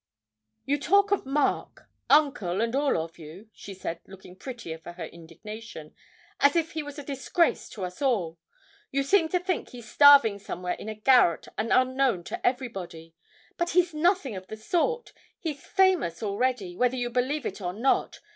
'You talk of Mark Uncle and all of you,' she said, looking prettier for her indignation, 'as if he was a disgrace to us all! You seem to think he's starving somewhere in a garret, and unknown to everybody. But he's nothing of the sort he's famous already, whether you believe it or not.